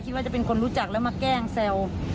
ว่าจะเป็นคนรู้จักแล้วมาแกล้งแซว